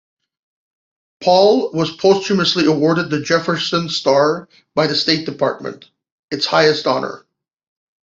Paul was posthumously awarded the Jefferson Star by the State Department, its highest honor.